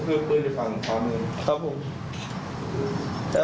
นิวนี้ผ็งเทียวแล้วออาจจะปลิ้มชีสมากครับ